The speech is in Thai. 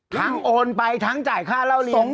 ทั้งโอนไปทั้งจ่ายค่าเล่าเรียน